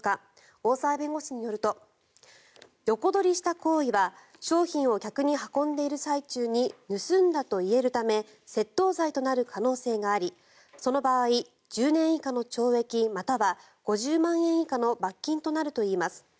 大澤弁護士によると横取りした行為は商品を客に運んでいる最中に盗んだといえるため窃盗罪となる可能性がありその場合、１０年以下の懲役または５０万円以下の罰金となるといいます。